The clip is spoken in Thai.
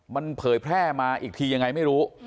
มันเผยแพร่มาอีกทียังไงไม่รู้